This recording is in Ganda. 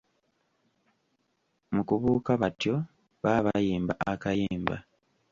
Mu kubuuka batyo baba bayimba akayimba.